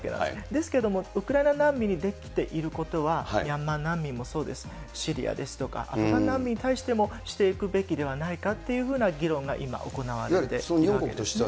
ですけれども、ウクライナ難民にできていることは、ミャンマー難民もそうですけれども、シリアですとか、アフガン難民に対してもしていくべきではないかというふうな議論が今、行われているわけですね。